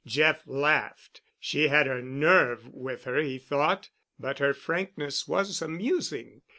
Jeff laughed. She had her nerve with her, he thought, but her frankness was amusing.